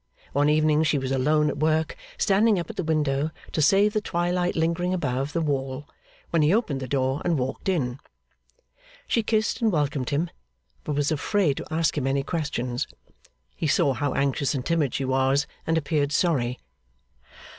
One evening she was alone at work standing up at the window, to save the twilight lingering above the wall when he opened the door and walked in. She kissed and welcomed him; but was afraid to ask him any questions. He saw how anxious and timid she was, and appeared sorry.